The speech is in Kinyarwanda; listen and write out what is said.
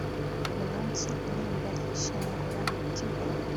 buri munsi intimba inshengura umutima